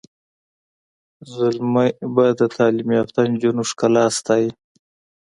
زلمي به د تعلیم یافته نجونو ښکلا ستایي.